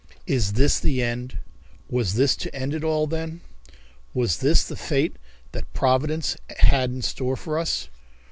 Is This the End? Was this to end it all, then? Was this the fate that Providence had in store for us?